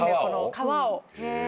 皮を。